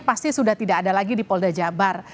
pasti sudah tidak ada lagi di polda jabar